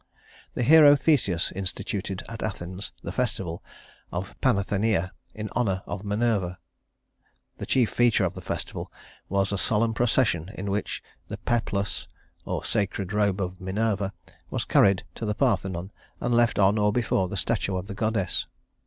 The hero Theseus instituted at Athens the festival of Panathenæa in honor of Minerva. The chief feature of the festival was a solemn procession in which the Peplus, or sacred robe of Minerva, was carried to the Parthenon, and left on or before the statue of the goddess.